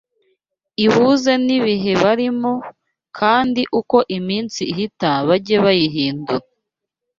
ihuze n’ibihe barimo, kandi uko iminsi ihita bajye bayihindura